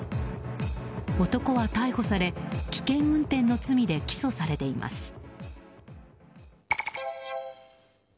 男は逮捕され危険運転の罪で起訴されています。